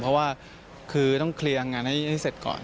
เพราะว่าคือต้องเคลียร์งานให้เสร็จก่อน